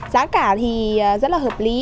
giá cả thì rất là hợp lý